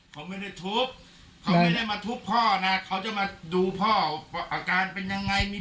เขาไม่ได้ทุบเขาไม่ได้มาทุบพ่อนะเขาจะมาดูพ่อว่าอาการเป็นยังไงมี